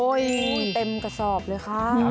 เต็มกระสอบเลยค่ะ